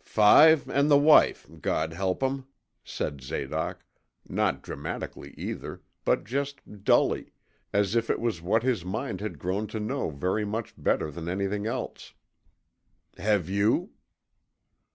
'Five and the wife, God help 'em,' said Zadoc, not dramatically either, but just dully, as if it was what his mind had grown to know very much better than anything else. 'Have you?'